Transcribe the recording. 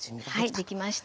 はいできました。